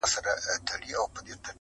چي پر زړه یې د مرګ ستني څرخېدلې -